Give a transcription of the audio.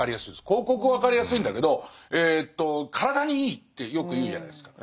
広告は分かりやすいんだけど「体にいい」ってよく言うじゃないですか。